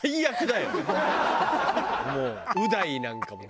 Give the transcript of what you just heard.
もうう大なんかもダメ。